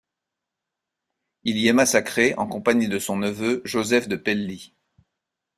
Il y est massacré en compagnie de son neveu Joseph de Pelly.